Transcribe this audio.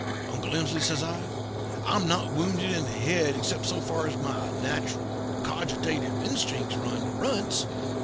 "'Uncle Emsley,' says I, 'I'm not wounded in the head except so far as my natural cognitive instincts run to runts.